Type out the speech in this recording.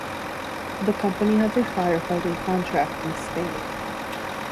The company has a firefighting contract in Spain.